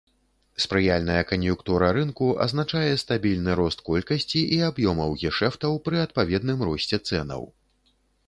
Спрыяльная кан'юнктура рынку азначае стабільны рост колькасці і аб'ёмаў гешэфтаў пры адпаведным росце цэнаў.